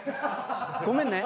ごめんね。